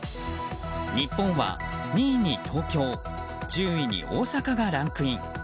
日本は２位に東京１０位に大阪がランクイン。